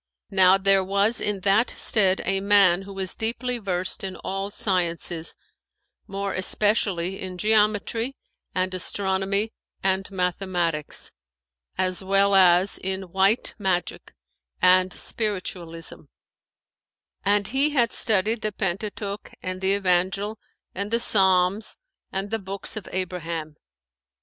Now there was in that stead a man who was deeply versed in all sciences, more especially in geometry and astronomy and mathematics, as well as in white magic[FN#517] and Spiritualism; and he had studied the Pentateuch and the Evangel and the Psalms and the Books of Abraham.